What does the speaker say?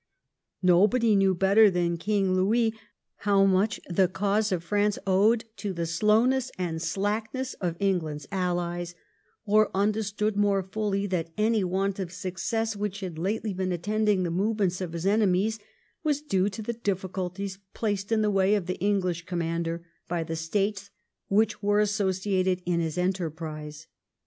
Nobody knew better than King Louis how much the cause of France owed to the slowness and slackness of England's aUies, or understood more fully that any want of success which had lately been attending the movements of his enemies was due to the difficulties placed in the way of the English commander by the States which were associated in his enterprise.